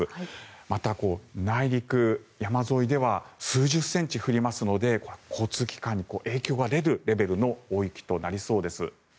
また、内陸・山沿いでは数十センチ降りますので交通機関に影響が出るレベルの大雪となりそうです。